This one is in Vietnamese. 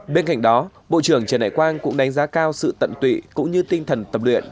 bên cạnh đó bộ trưởng trần đại quang cũng đánh giá cao sự tận tụy cũng như tinh thần tập luyện